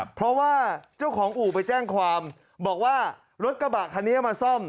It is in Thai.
เพราะว่าเจ้าของอู่ไปแจ้งความบอกว่ารถกระบะคันนี้มาซ่อม